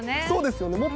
そうですよね。